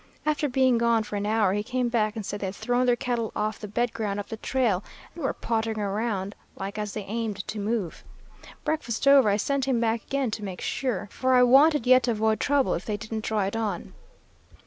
After being gone for an hour he came back and said they had thrown their cattle off the bed ground up the trail, and were pottering around like as they aimed to move. Breakfast over, I sent him back again to make sure, for I wanted yet to avoid trouble if they didn't draw it on.